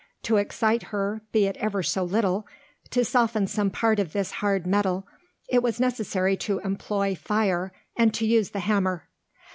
To excite her, be it ever so little, to soften some part of this hard metal, it was necessary to employ fire and to use the hammer.